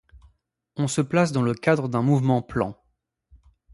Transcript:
On se place dans le cadre d'un mouvement plan.